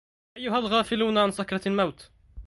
أيها الغافلون عن سكرة الموت